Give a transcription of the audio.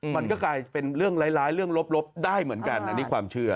มันก็กลายเป็นเรื่องร้ายเรื่องลบได้เหมือนกันอันนี้ความเชื่อ